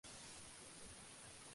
Creció en Onondaga Hill.